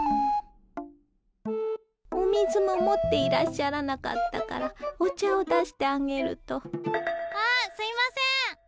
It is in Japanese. お水も持っていらっしゃらなかったからお茶を出してあげるとあすいません。